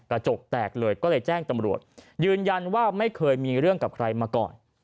กระจกแตกเลยก็เลยแจ้งตำรวจยืนยันว่าไม่เคยมีเรื่องกับใครมาก่อน